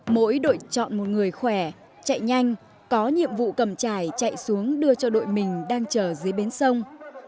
mỗi đội chọn một người khỏe chạy nhanh có nhiệm vụ cầm chải chạy xuống đưa cho đội mình đang chờ dưới bến sông